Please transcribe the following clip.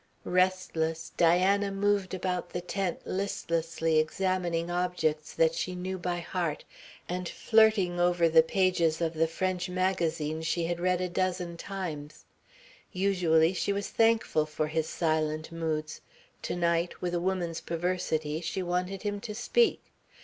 Restless, Diana moved about the tent, listlessly examining objects that she knew by heart, and flirting over the pages of the French magazines she had read a dozen times. Usually she was thankful for his silent moods. To night with a woman's perversity she wanted him to speak.